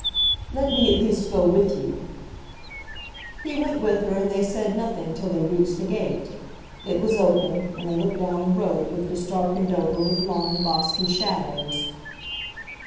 "Let me at least go with you." He went with her, and they said nothing till they reached the gate. It was open, and they looked down the road which was darkened over with long bosky shadows.